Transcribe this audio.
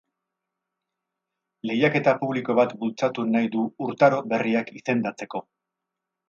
Lehiaketa publiko bat bultzatu nahi du urtaro berriak izendatzeko.